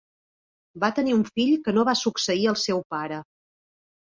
Va tenir un fill que no va succeir el seu pare.